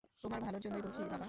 তোমার ভালোর জন্যই বলছি বাবা।